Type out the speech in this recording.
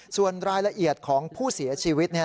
ส่วนรายละเอียดของผู้เสียชีวิต